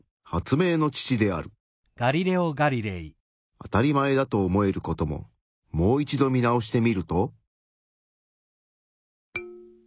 当たり前だと思えることももう一度見直してみると？